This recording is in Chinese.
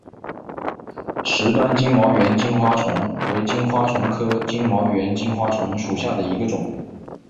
池端金毛猿金花虫为金花虫科金毛猿金花虫属下的一个种。